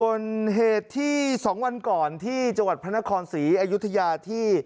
ส่วนเหตุที่๒วันก่อนที่จังหวัดพระนครศรีอยุธยาที่